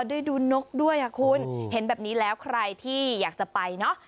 ได้ดูนกด้วยอ่ะคุณเห็นแบบนี้แล้วใครที่อยากจะไปเนอะ